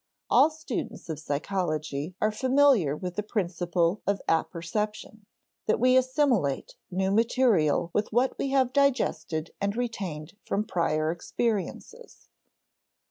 All students of psychology are familiar with the principle of apperception that we assimilate new material with what we have digested and retained from prior experiences.